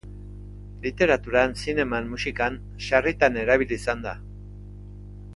Literaturan, zineman, musikan, sarritan erabili izan da.